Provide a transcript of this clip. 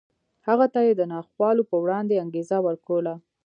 هغه ته یې د ناخوالو په وړاندې انګېزه ورکوله